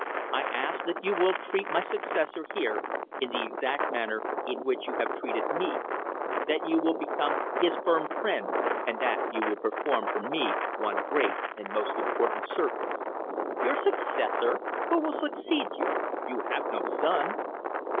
I ask that you will treat my successor here in the exact manner in which you have treated me that you will become his firm friend and that you will perform for me one great and most important service." "Your successor! Who will succeed you? You have no son!"